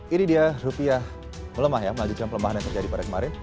ini dia rupiah melemah ya melanjutkan pelemahan yang terjadi pada kemarin